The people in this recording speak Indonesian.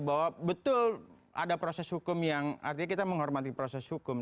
bahwa betul ada proses hukum yang artinya kita menghormati proses hukum